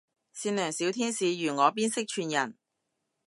善良小天使如我邊識串人